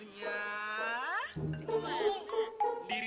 jangan jadi juga wiki